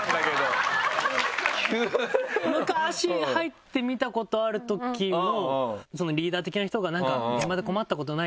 昔入ってみたことあるときもリーダー的な人がなんか「現場で困ったことない？」とか。